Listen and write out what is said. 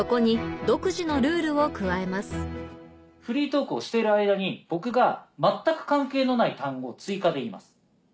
そこにフリートークをしている間に僕が全く関係のない単語を追加で言います。